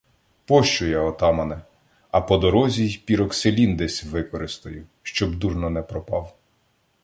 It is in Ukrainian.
Пощу я, отамане, а по дорозі й піроксилін десь використаю, щоб дурно не пропав.